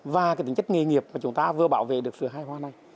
và cái tính chất nghề nghiệp mà chúng ta vừa bảo vệ được vừa hai hoa này